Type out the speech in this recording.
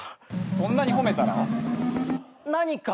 「そんなに褒めたら」？何か。